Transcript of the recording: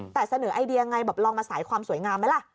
แต่เสนอไอเดียไงแบบลองมาสายความสวยงามไหมล่ะ